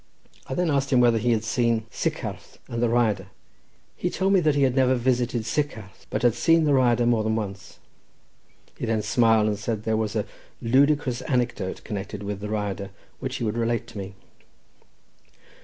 I then asked him whether he had ever seen Sycharth and the Rhyadr; he told me that he had never visited Sycharth, but had seen the Rhyadr more than once. He then smiled, and said that there was a ludicrous anecdote connected with the Rhyadr, which he would relate to me.